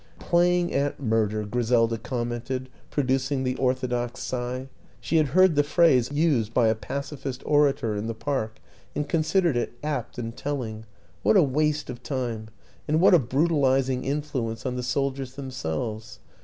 " Playing at murder," Griselda commented, producing the orthodox sigh. She had heard the phrase used by a pacifist orator in the Park and considered it apt and telling. " What a waste of time and what a brutalizing influence on the soldiers themselves